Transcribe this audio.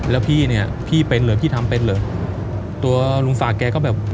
แล้วพี่เนี่ยพี่เป็นเหรอพี่ทำเป็นเหรอตัวลุงศักดิ์แกก็แบบ